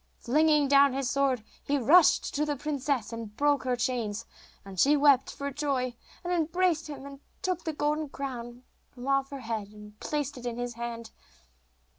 Flinging down his sword he rushed to the princess and broke her chains, and she wept for joy, and embraced him, and took the golden crown from off her head, and placed it in his hand.